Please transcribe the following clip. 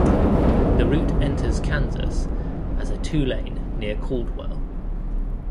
The route enters Kansas as a two-lane near Caldwell.